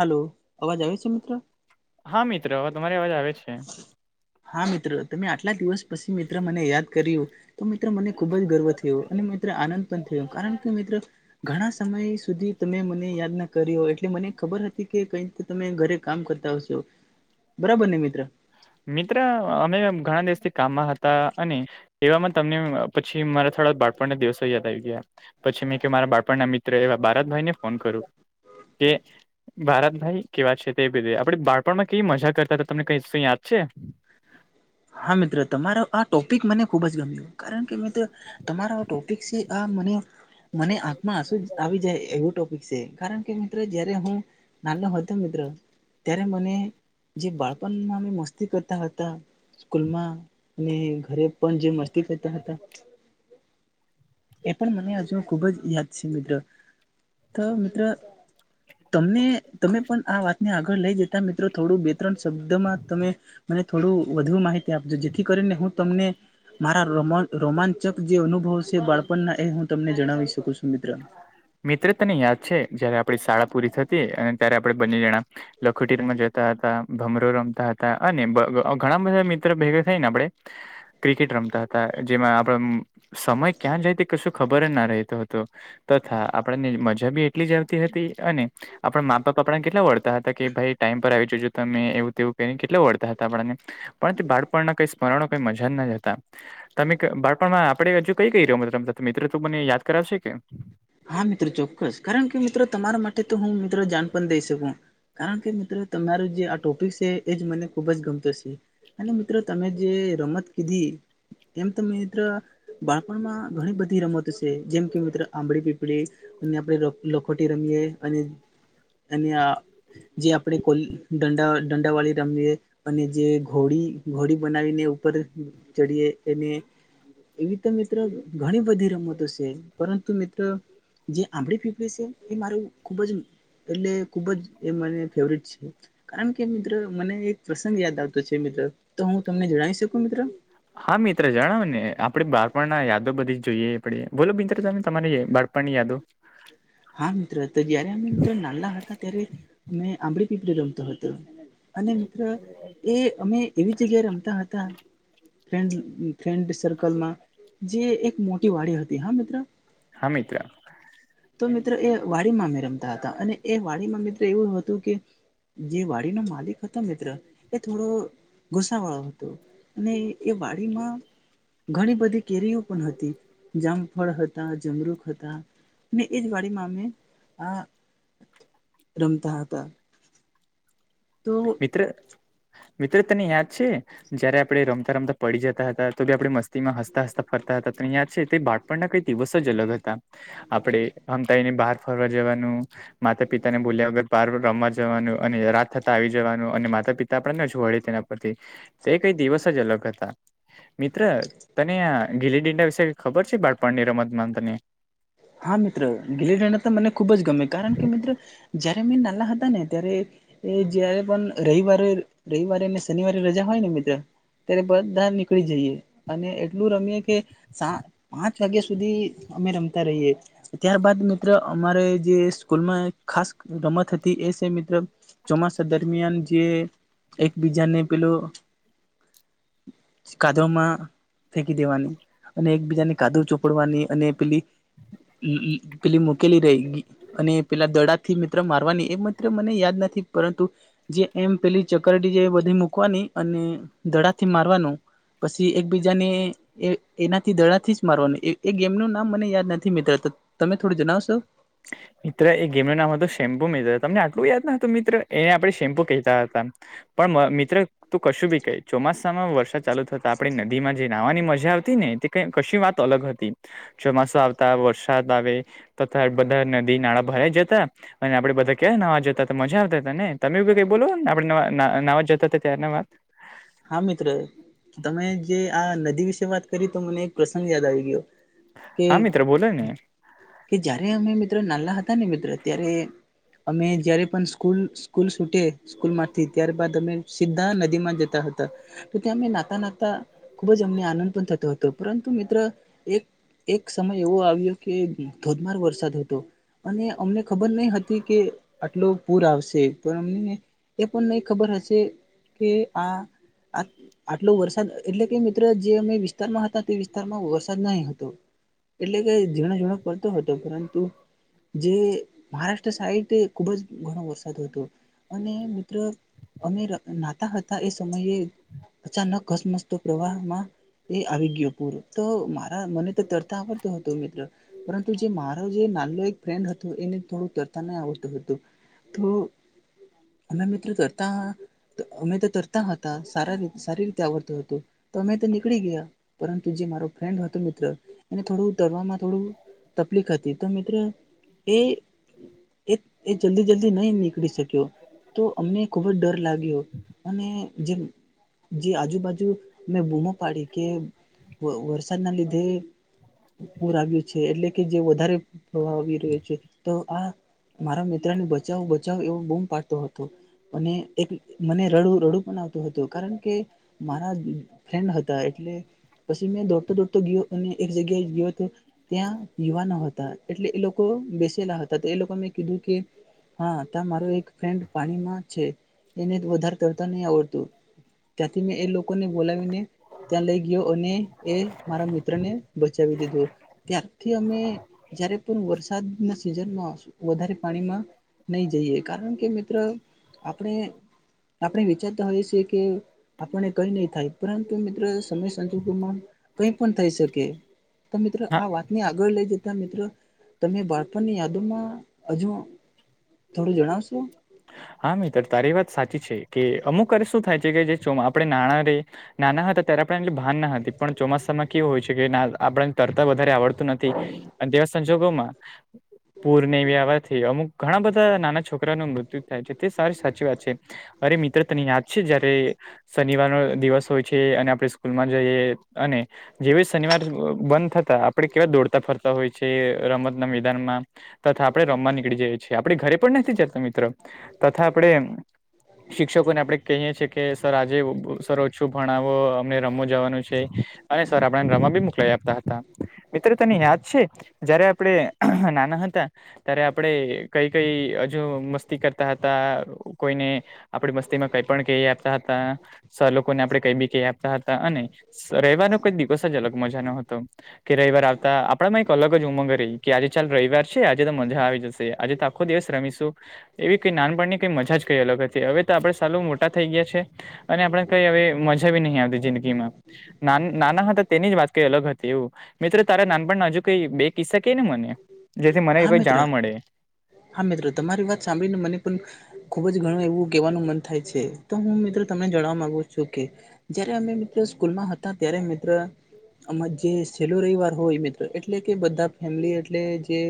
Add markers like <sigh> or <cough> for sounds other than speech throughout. Hello, અવાજ આવે છે મિત્ર? હા, મિત્ર હવે તમારી અવાજ આવે છે. હા, મિત્ર તમે આટલા દિવસ પછી મિત્ર મને યાદ કર્યું. તો મિત્ર મને ખુબ જ ગર્વ થયો, અને મિત્ર આનંદ પણ થયો, કારણ કે મિત્ર ઘણા સમય સુધી તમે મને યાદ ના કર્યો. એટલે મને ખબર હતી કે કઈ તો તમે ઘરે કામ કરતા હશો બરાબર ને મિત્ર? મિત્ર અમે ઘણા દિવસથી કામમાં હતા અને એવામાં તમને પછી મારા થોડા બાળપણના દિવસો યાદ આવી ગયા. પછી મેં કે મારા બાપણના મિત્ર એવા બારતભાઈને ફોન કરું કે ભારતભાઈ કેવા છે તે બેધે આપણે બાળપણમાં કેવી મજા કરતા હતા તમને કઈ શું યાદ છે? હા મિત્ર તમારો આ ટોપિક મને ખુબ જ ગમ્યું કારણ કે મિત્રો તમારો ટોપિક છે આ મને મને આંખમાં આસુ આવી જાય એવું ટોપિક છે. કારણ કે મિત્રો જયારે હું નાનો હતો મિત્રો ત્યારે મને જે બાળપણમાં અમે મસ્તી કરતા હતા. સ્કૂલમાં ને ઘરે પણ જે મસ્તી કરતા હતા. એ પણ મને હજુ ખુબ જ યાદ છે મિત્રો તો મિત્રો તમને તમે પણ આ વાતને આગળ લઈ જતા મિત્રો થોડું ત્રણ શબ્દમાં તમે મને થોડું વધુ માહિતી આપજો જેથી કરીને હું તમને મારા રોમાંચક જે અનુભવ છે બાળપણના એ હું તમને જણાવી શકું છું મિત્ર. મિત્ર તને યાદ છે જયારે આપણી શાળા પૂરી થતી અને ત્યારે આપણે બંને જણા લખોટી રમવા જતા હતા ભમરો રમતા હતા અને ઘણા બધા મિત્ર ભેગા થાય ને આપણે ક્રિકેટ રમતા હતા જેમાં આપણ સમય ક્યાં કશું ખબર જ ના રહેતો હતો આપણને મજા બી એટલી આવતી હતી. અને આપણા મા બાપા આપણે કેટલા વળતા હતા કે ભાઈ ટાઈમ પર આવી જજો તમે એવું તેવું ક કેટલા વળતા હતા આપણને પણ તે બાળપણના કંઈ સ્મરણો કઈ મજા જ હતા. તમે બાળપણમાં આપણે હજુ કઈ કઈ રમત રમતા હતા મિત્રો તો મને યાદ કરાવશે કે? હા મિત્રો ચોક્કસ કારણ કે તમારા માટે તો હું મિત્રો જાણ દઈ શકું. કારણ મિત્રો તમારું જે આ ટોપિક છે મને ખુબ જ ગમતો છે. અને મિત્રો તમે જે રમત કીધી એમ તમે મિત્ર બાળપણમાં ઘણી બધી રમતો છે જેમ કે મિત્ર આંબડી પીપળી અને આપણે લખોટી રમીએ અને એન્ય જે આપણે કો દંડા દંડાવાળી રમીએ અને જે ઘોડી ઘોડી બનાવીને ઉપર ચડીએ એને એવી તો મિત્ર ઘણી બધી રમતો છે પરંતુ મિત્રો જે આંબડી પીપડી છે એ મારું ખુબ જ એટલે ખુબ જ એ મને ફેવરટ છે. કારણ કે મિત્ર મને એક પ્રસંગ યાદ આવતો છે મિત્ર તો હું તમને જણાવી શકું મિત્ર? હા મિત્ર જણાવોને આપે બાળપણના યાદો બધી જ જોઈએ આપણે બોલો મિત્ર તમે તમારી બાળ બાળપણની યાદો હા મિત્રો તો જયારે અમે મિત્રો નાનલા હતા ત્યારે અમે આંબડી પીપળી રમતો હતો. અને મિત્ર એ અમે એવી જગ્યાએ રમતા હતા. ફન્ ફ્રેન્ડ સર્કલમાં જે એક મોટી વાડી હતી હા મિત્રો હા મિત્ર. તો મિત્રો એ વાડી અમે રમતા હતા અને એ વાડીમાં મિત્ર એવું હતું કે જે વાડીનો માલિક હતો મિત્ર એ થોડો ગુસા વાળો હતો. અને એ વાડીમાં ઘણી બધી કેરીઓ પણ હતી જામ ફળ હતા જમરૂક હતા. એ જ વાડીમાં અમે આ રમતા હતા. તો મિત્ર મિત્ર તને યાદ છે. જયારે આપણે રમતા રમતા પડી જતા હતા તો બી આપણે મસ્તીમાં હસતા હસતા ફરતા હતા યાદ છે તે બા આપણના કાંઈ દિવસ જ અલગ હતા. આપણે <unintelligible> બહાર ફરવા જવાનું માતા પિતા ને બોલ્યા વગર બહાર રમવા જવાનું, અને રાત થતા આવી જ વાનું. અને માતા-પિતા પણ ના છોડે તેના પરથી. તે કંઈ દિવસ જ અલગ હતા. મિત્ર તને આ ગીલી-દંડા વિશે ખબર છે બાળપણની રમતમાં તને. હા મિત્ર. ગીલી-દંડા તો મને ખૂબ જ ગમે. કારણ કે, મિત્ર જયારે અમેં નાના હતા ને ત્યારે એ જયારે પણ રઈવારે, રઈવારે ને શનિવારે રજા હોય ને મિત્ર ત્યારે બધા નીકળી જઈએ. અને એટલું રમીએ કે સા પાંચ વાગ્યા સુધી અમે રમતા રહીએ. ત્યારબાદ મિત્ર અમારે જે સ્કૂલમાં ખાસ રમત હતી એ સે મિત્ર ચોમાસા દરમિયાન જે એકબીજાને પહેલું કાદવામાં ફેંકી દેવાની. અને એકબીજાને કાદવ ચોપડવાની. અને પેલી ઈ-ઈ પેલી મૂકેલી રહેગી. અને પેલા દડા થી મિત્ર મારવાની. એ મિત્ર મને યાદ નથી, પરંતુ જે એમ પેલી ચકરડી જે એ બધી મૂકવાની, અને દડા થી મારવાનું પસી એકબીજાને એ એનાથી દડાથી જ મારવાનું. એ-એ ગેમનું નામ મને યાદ નથ થી મિત્ર. ત તમે થોડું જનાવશો. મિત્ર એ ગેમનું નામ હતું શેમ્પુ મિત્ર. તમને આટલું યાદ નહોતું મિત્ર. એ આપણે શેમ્પુ કહેતા હતા. પણ મ મિત્ર તું કશું ભી કહે, ચોમાસ સામાં વરસાદ ચાલુ થતા આપણે નદીમાં જે નહાવાની મજા આવતી ને તે કાંઈ કશી વાત અલગ હતી. ચોમાસું આવતા વરસાદ આવે, તથા બધા નદી નાળા ભરાઈ જતા અને આપણે બધા કેવા નહાવા જતા તા, મજા આવતા તા ને. તમે બી કંઈ બોલો. આપણે નવા ન નહાવા જતા તા ત્યારના વાત. હા મિત્ર. તમે જે આ નદી વિશે વાત કરી તો મને એક પ્રસંગ યાદ આવી ગયો. હા મિત્ર બોલો ને હા કે-કે જ્યારે અમે મિત્ર નાનલા હતા ને મિત્ર ત્યારે અમે જ્યારે પણ સ્કૂલ-સ્કૂલ છૂટે સ્કૂલમાંથી, ત્યાર બાાદ અમે સીધા નદીમાં જતા હત તા. તો અમે નહાતા-નહાતા ખુબ જ અમને આનંદ પણ થતો હતો. પરંતુ મિત્ર એક એક સમય એવો આવ્યો કે ધોધમાર વરસાદ હતો. અને અમને ખબર નહીં હતી કે આટલો પૂર આવશે. પણ અમને એ પણ નહીં ખબર હશે કે આ <unintelligible> આટલો વરસાદ, એટલે કે મિત્રો જે અમે વિસ્તારમાં હતા તે વિસ્તારમાં વરસાદ નહીં હતો. એટલે કે ઝીણો-ઝીણો પડતો હતો. પરંતુ જે મહારાષ્ટ્ર સાઈડ ખુબ જ ઘણો વરસાદ હતો. અને મિત્ર અમે નહાતા હતા એ સમયે અચાનક ઘસમસતો પ્રવાહમાં એ આવી ગયો પૂરો. તો મારા મને તો તરતા આવડતું હતો મિત્ર. પરંતુ જે મારો જે નાનલો એક ફ્રેન્ડ હતો એને થોડું તરતા નહીં આવડતું હતું. તો અમે મિત્રો તરતા, અમે તો તરતા હતા. <inaudible> સારી રીતે આવડતું હતું. તો અમે તો નીકળી ગયા. પરંતુ જે મારો ફ્રેન્ડ હતો મિત્ર. એને થોડું તરવામાં થોડું તકલીફ હતી. તો મિત્ર એ-એ-એ જલ્દી-જલ્દી નહી નીકળી શક્યો. તો અમને ખુબ જ ડર લાગ્યો. અને જેમ જે આજુબાજુ અમેં બૂમો પાડી, કે વ વરસાદના લીધે પૂર આવ્યું છે. એટલે કે જે વધારે પ્રવાહ આવી રહ્યો છે. તો આ મારા મિત્ર ને બચાવ-બચાવ એવો બૂમ પાડતો હતો. અને એક મને રડું રડું પણ આવતું હતું. કારણ કે મારા ફ્રેન્ડ હતા એટલે પછી મેં દોડતો દોડતો ગયો અને એક જગ્યાએ ગયો તે ત્યાં યુવાનો હતા એટલે એ લોકો બેસેલા હતા એ લોકો ન મેં કીધું કે હા તા મારો એક ફ્રેડ પાણીમાં છે એને વધારે તરતા નહી આવડતું ત્યાંથી મેં એ લોકોને બોલાવીને ત્યાં લઈ ગયો અને એ મારા મિત્ર ને બચાવી દીધો ત્યાંથી અમે જયારે પણ વરસાદના સિઝનમાં વધારે પાણીમાં નહી જઈએ કારણ કે મિત્ર આપણે આપણે વિચારતા હોઈએ છીએ કે આપને કઈ નહી થાય પરંતુ મિત્રો સમય સંજોગોમાં કઈ પણ થઈ શકે તો મિત્રો આ વાતને આગળ લઈ જતા મિત્ર તમે બાળપણની યાદોમાં હજુ થોડું જણાવશો હા મિત્ર તારી વાત સાચી છે કે અમુક વારે શું થાય છે કે જે તો આપડે નાણાં રે નાના હતા ત્યારે પણ એટલી ભાન ના હતી પણ ચોમાસામાં કેવું હોય છે કે ન આપણે તરતા વધારે આવડતું નથી અને તેવા સંજોગોમાં પૂરને આવાથી અમુક ઘણા બધા નાના છોકરા ન મૃત્યુ થાય છે તે <unintelligible> સાચી વાત છે અરે મિત્ર તને યાદ છે જયારે શનિવાર નો દિવસ હોય છે અને આપણે સ્કૂલમાં જઈએ અને જેવી શનિવાર બંધ થતા આપણે કેવા દોડતા ફરતા હોય છે રમતના મેદાનમાં તથા આપણે રમવા નીકળી જઈએ છીએ આપડે ઘરે પણ નથી જતા મિત્રો તથા આપણે શિક્ષકોને આપડે કહીએ છીએ કે સર આજે સર ઓછું ભણાવો અમને રમવા જવાનું છે. અને સર આપણેને રમા બી મોકલાઈ આપતા હતા મિત્ર તને યાદ છે. જયારે આપડે અહં નાના હતા ત્યારે આપડે કઈ કઈ હજુ મસ્ત કરતા હતા કોઈને આપડી મસ્તી મા કઈ પણ કહી હકતા હતા. સર લોકો ને આપડણે કઈ બી કઈ હકતા હતા અને <unintelligible> કઈ દિવસ જ અલગ મજા નો હતો. કે રવિવાર આવતા આપણા માં એક અલગ જ ઉમંગ રહી કે આજે ચાલ રવિવાર છે આજે તો મજા આવી જશે આજે તો આખો દિવસ રમીશું એવી કઈ નાનપણની કઈ મજા જ કઈ અલગ હતી હવે તો આપડે સાલું મોટા થઈ ગયા છે. અને આપડે કઈ હવે મજા મજા બી નહી આવતી જિંદગીમાં ના નાના હતા તેની જ વાત કરી અલગ હતી એવું મિત્રો તારા નાનપણના હજુ કઈ બે કિસ્સા કે ને મને જેથી મને કઈ જાણવા મળે હા મિત્ર તમારી વાત સાંભળીને મને પણ ખુબ જ ઘણું એવું કેવાનું મન થાય છે તો હું મિત્ર તમને જાણવા માંગુ છું કે જયારે અમે મિત્ર સ્કૂલમાં હતા ત્યારે મિત્ર આમાં જે છેલ્લો રવિવાર હોય મિત્રો એટલે કે બધા ફેમિલી એટલે જે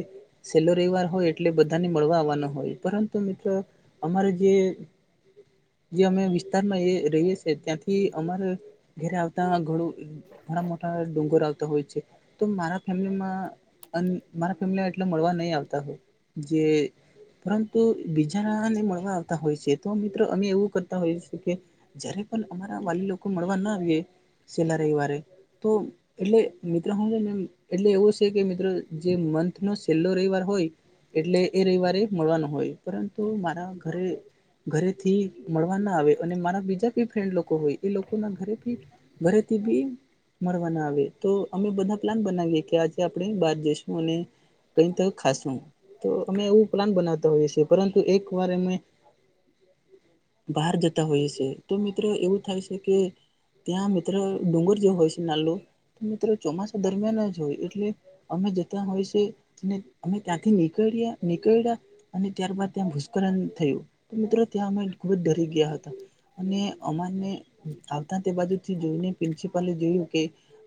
સેલ્લો રવીવાર હોય એ એટલે બધાને મળવા આવવાના હોય પરંતુ મિત્ર અમારે જે જે અમે વિસ્તારમાં રહીએ છેએ ત્યાંથી અમારે ઘરે આવતા ઘડું ઘણા મોટા ડુંગર આવતા હોય છે તો મારા ફેમિલીમાં અને મારા ફેમિલી એટલે મળવા નહી આવતા હોય જે પરંતુ બીજાને મળવા આવતા હોય છે. તો મિત્રો અમે એવું કરતા હોઈએ છીએ કે જયારે પણ અમારા વાલી લોકો મળવા ના આવીએ સેલા રવિવારે તો એટલે મિત્રો હુ એટલે એવું છે કે મિત્રો જે મંથ નો છેલ્લો રવિવાર હોય એટલે એ રવિવારે મળવાનું હોય પરંતુ મારા ઘરે ઘરેથી મળવા ના આવે અને મારા બીજા ભી ફ્રેન્ડ લોકો હોય એ લોકોના ઘરેથી ઘરે થી ભી મળવાના આવે તો અમે બધા પ્લાન બનાવીએ કે આજે આપણે બહાર જઈશું અને કઈ તો ખાશું તો અમે એવું પ્લાન બનાવતા હોઈએ છીએ પરંતુ એક વાર અમે બહાર જતા હોઈ છે તો મિત્રો એવું થાય છે કે ત્યાં મિત્ર ડુંગર જેવુ હોય છે નાલું મિત્રો ચોમાસા દરમિયાન જ હોય એટલે અમે જતા હોય છે અને અમે ત્યાંથી ની કળ્યા નીકડા અને ત્યારબાદ ત્યાં ભૂશક્કરણ થયું મિત્રો ત્યાં અમે ખુબ જ ડરી ગયા હતા. અને અમારને આવતા તે બાજુથી જોઈને પ્રિન્સિપલે જોયું કે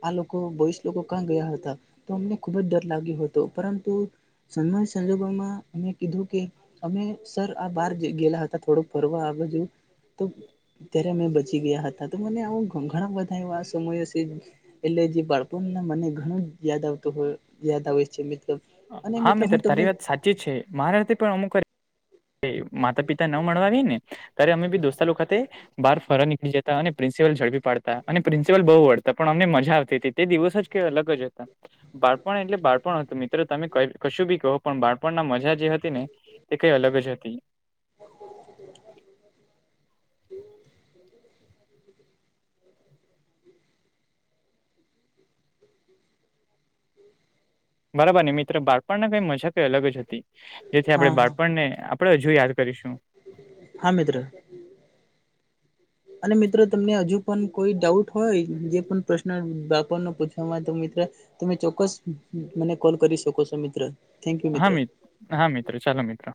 આ લોકો ભયસ લોકો કાં ગયા હતા તો અમને ખુબ જ ડર લાગ્યો હતો પરંતુ <unintelligible> સંજર્ભોમાં અમે કીધું કે અમે સર આ બહાર ગયેલા હતા થોડોક ફરવા આ બાજું તો ત્યારે અમે બચી ગયા હતા તો મને આવો ઘ ઘણા બધા એવા સમય શે એટલે જે બાળપનના મને ઘણું યાદ આવતો હોય યાદ આવે છે મિત્ર. અને મિત્ર હા, હું તમને તારી વાત સાચી છે મારા રીતે પણ અમુક વારી એ માતા પિતા ન મળવા આવી ને ત્યારે અમે ભી દોસ્તા લોકો ખાતે બાર ફરવા નીકળી જતા અને પ્રિન્સિપલ ઝડપી પાડતા હતા અને પ્રિન્સિપલ બહુ વડ તા પણ અમને મજા આવતી હતી તે દિવસો જ કઇ અલગ જ હતા બાળપણ એટલે બાળપણ હતું મિ ત્ર તમે કશું ભી કહો પણ બાળપણ ના મજા જે હતી ને તે કઈ અલગ જ હતી. બરાબર ને મિત્ર બાળપણના કઈ મજા કઈ અલગ જ હતી જેથી હા આપણે હા બાળપણને આ પડણે હજુ યાદ કરીશું. હા મિત્ર. અને મિત્રો તમને હજુ પણ કોઈ ડાઉટ હોય જે પણ પ્રશ્ન <unintelligible> પૂછ વા તો મિત્ર તમે ચોક્કસ મને કોલ કરી શકો છો મિત્ર. થેન્ક યુ હા મિત્ર મિત, હા મિત્ર, ચલો મિત્ર.